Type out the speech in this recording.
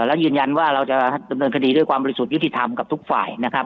แล้วยืนยันว่าเราจะดำเนินคดีด้วยความบริสุทธิ์ยุติธรรมกับทุกฝ่ายนะครับ